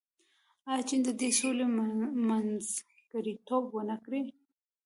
آیا چین د دې سولې منځګړیتوب ونه کړ؟